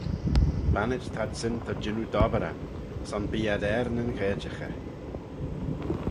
Bannit t'adsyn ta jannoo dobberan: son bee ad er nyn gherjaghey.